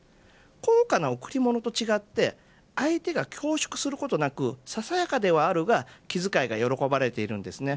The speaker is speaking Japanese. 高価な贈り物と違って相手が恐縮することなくささやかではあるが気遣いが喜ばれているんですね。